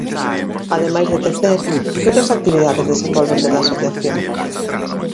Ademais de tecer, que outras actividades desenvolven desde a asociación?